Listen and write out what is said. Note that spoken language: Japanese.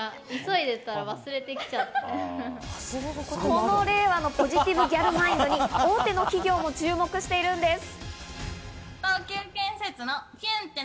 この令和のポジティブマインドに大手の企業も注目しているんです。